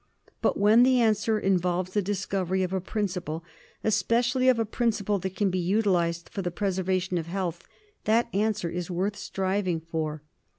But when the answer involves the discovery of a principle, especially of a principle that can be utilised for the preservation of health, that answer is worth striving for.